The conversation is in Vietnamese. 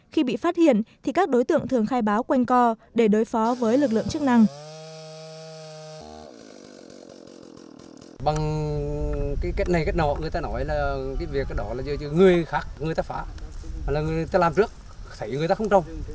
khi bị phát hiện thì các đối tượng thường khai báo quanh co để đối phó với lực lượng chức năng